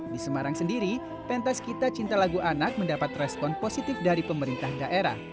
di semarang sendiri pentas kita cinta lagu anak mendapat respon positif dari pemerintah daerah